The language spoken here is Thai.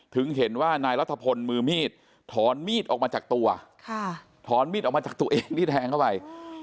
ถึงเห็นว่านายรัฐพลมือมีดถอนมีดออกมาจากตัวถอนมีดออกมาจากตัวเองที่แทงเข้าไป